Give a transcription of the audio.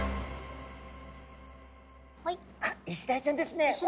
あイシダイちゃんですね。